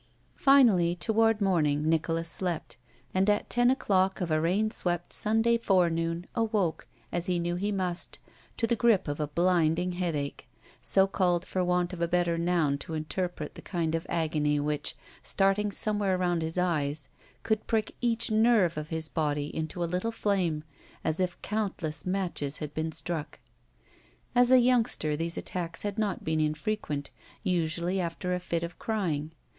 Finally, toward morning Nicholas slept, and at ten o'clock of a rain swept Stmday forenoon awoke, as he knew he must, to the grip of a blinding head ache, so called for want of a better notm to interpret the kind of agony which, starting somewhere aroimd his eyes, could prick each nerve of his body into a little flame, as if cotmtless matches had been struck. As a yoimgster these attacks had not been infre quent, usually after a fit of crying.